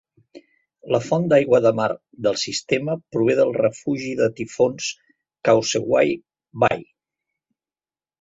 La font d'aigua de mar del sistema prové del refugi de tifons Causeway Bay.